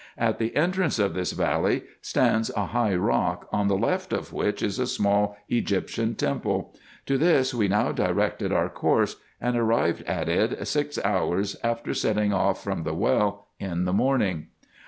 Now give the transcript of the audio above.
At the entrance of this valley stands a lrigh rock, on the left of which is a small Egyptian temple. To this we now directed our course, and arrived at it six hours after setting off from the well in the morning.